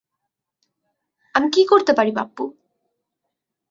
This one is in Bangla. আমি কী করতে পারি পাপ্পু?